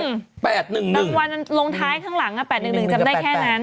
รางวัลลงท้ายข้างหลัง๘๑๑จำได้แค่นั้น